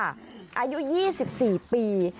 อายุ๒๔ปี